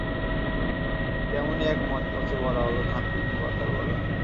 তেমনই এক মচমচে বড়া হলো থানকুনি পাতার বড়া।